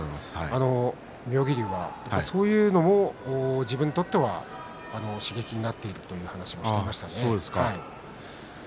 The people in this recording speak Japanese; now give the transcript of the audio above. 妙義龍はそういったことも自分には刺激になっているという話をしていました。